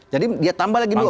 jadi dia tambah lagi dua